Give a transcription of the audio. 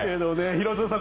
廣津留さん